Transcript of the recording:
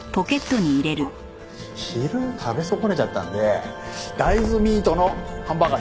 あっ昼食べ損ねちゃったんで大豆ミートのハンバーガー１つ。